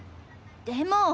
でも。